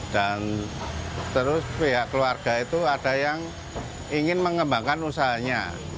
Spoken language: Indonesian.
dan terus pihak keluarga itu ada yang ingin mengembangkan usahanya